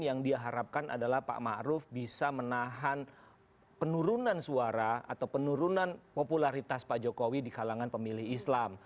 yang diharapkan adalah pak ⁇ maruf ⁇ bisa menahan penurunan suara atau penurunan popularitas pak jokowi di kalangan pemilih islam